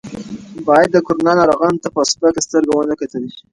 باید د کرونا ناروغانو ته په سپکه سترګه ونه کتل شي.